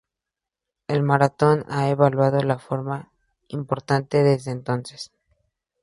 El maratón ha evolucionado de forma importante desde entonces.